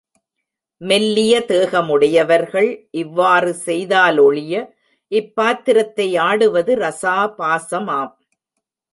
மெல்லிய தேகமுடையவர்கள் இவ்வாறு செய்தாலொழிய இப்பாத்திரத்தை ஆடுவது ரசாபாசமாம்.